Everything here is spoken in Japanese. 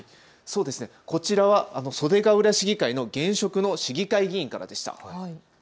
こちらは袖ケ浦市議会の現職の市議会議員からでした。